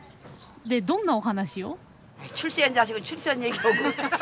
でどんなお話を？